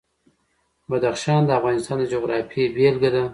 بدخشان د افغانستان د جغرافیې بېلګه ده.